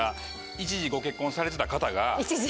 一時ご結婚されてた方が。